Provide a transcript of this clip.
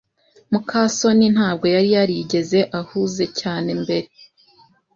muka soni ntabwo yari yarigeze ahuze cyane mbere.